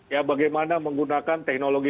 ya bagaimana menggunakan teknologi